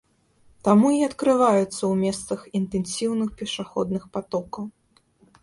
Таму і адкрываюцца ў месцах інтэнсіўных пешаходных патокаў.